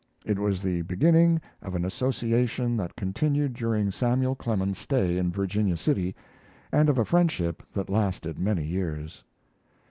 It was the beginning of an association that continued during Samuel Clemens's stay in Virginia City and of a friendship that lasted many years.